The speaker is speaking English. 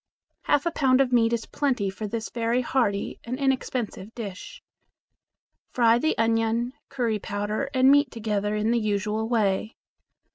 Half a pound of meat is plenty for this very hearty and inexpensive dish. Fry the onion, curry powder, and meat together in the usual way.